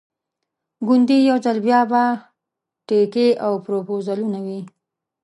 ګوندې یو ځل بیا به ټیکې او پروپوزلونه وي.